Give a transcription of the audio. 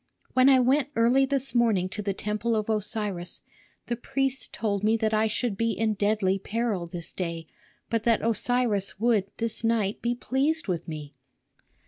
When I went early this morning to the temple of Osiris, the priests told me that I should be in deadly peril this day, but that Osiris would this night be pleased with me.